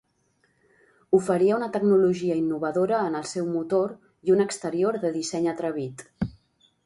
Oferia una tecnologia innovadora en el seu motor i un exterior de disseny atrevit.